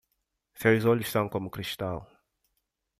Seus olhos são como cristal